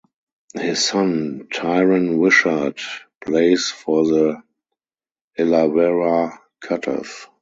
His son Tyran Wishart plays for the Illawarra Cutters.